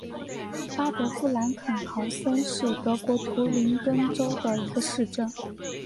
巴德夫兰肯豪森是德国图林根州的一个市镇。